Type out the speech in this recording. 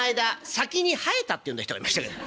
「先に生えた」って読んだ人がいましたけど。